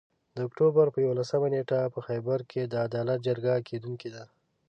د اُکټوبر پر یوولسمه نیټه په خېبر کې د عدالت جرګه کیدونکي ده